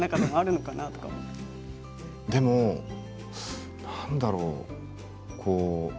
でもなんだろう。